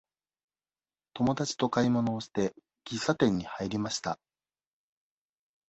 友達と買い物をして、喫茶店に入りました。